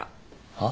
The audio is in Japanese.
はっ？